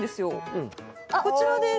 こちらです。